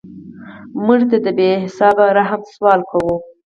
مړه ته د بې حسابه رحم سوال کوو